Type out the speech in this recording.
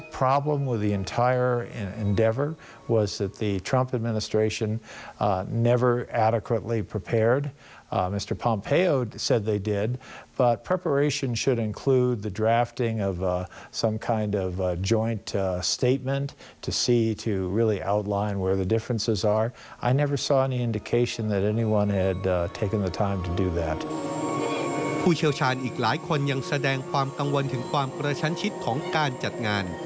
ผู้เชี่ยวชาญอีกหลายคนยังแสดงความกังวลถึงความกระชั้นชิดของการจัดงาน